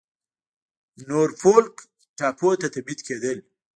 نورفولک ټاپو ته تبعید کېدل.